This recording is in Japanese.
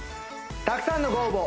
たくさんのご応募